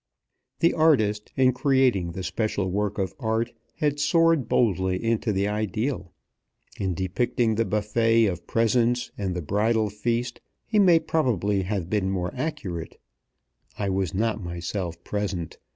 The artist, in creating the special work of art, had soared boldly into the ideal. In depicting the buffet of presents and the bridal feast, he may probably have been more accurate. I was not myself present.